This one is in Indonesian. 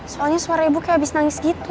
soalnya suara ibu kayak habis nangis gitu